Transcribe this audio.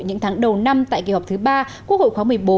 những tháng đầu năm tại kỳ họp thứ ba quốc hội khóa một mươi bốn